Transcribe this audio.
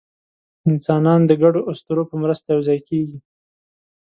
انسانان د ګډو اسطورو په مرسته یوځای کېږي.